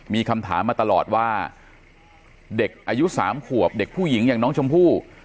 มีคำถามมาตลอดว่าเด็กอายุ๓ขวบเด็กผู้หญิงอย่างน้องชมพู่